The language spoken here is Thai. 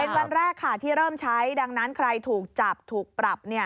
เป็นวันแรกค่ะที่เริ่มใช้ดังนั้นใครถูกจับถูกปรับ